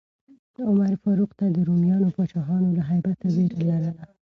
عمر فاروق ته د رومیانو پاچاهانو له هیبته ویره لرله.